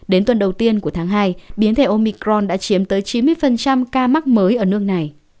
đến tuần đầu tiên của tháng hai biến thể omicron đã chiếm tới chín mươi ca mắc mới ở nước này